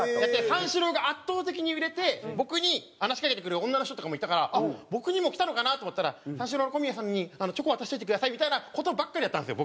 三四郎が圧倒的に売れて僕に話しかけてくる女の人とかもいたから僕にも来たのかなと思ったら「三四郎の小宮さんにチョコ渡しといてください」みたいな事ばっかりだったんですよ